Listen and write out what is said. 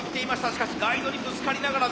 しかしガイドにぶつかりながらです。